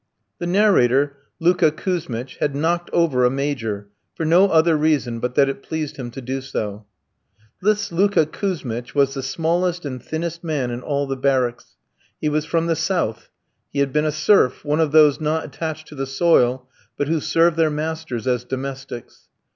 The narrator, Luka Kouzmitch, had "knocked over" a Major, for no other reason but that it pleased him to do so. This Luka Kouzmitch was the smallest and thinnest man in all the barracks. He was from the South. He had been a serf, one of those not attached to the soil, but who serve their masters as domestics.